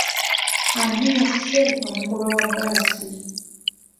Ani yasse omugoba wa bbaasi?